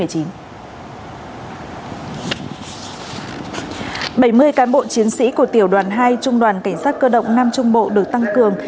bảy mươi cán bộ chiến sĩ của tiểu đoàn hai trung đoàn cảnh sát cơ động nam trung bộ được tăng cường